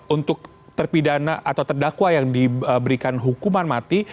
untuk terpidana atau terdakwa yang diberikan hukuman mati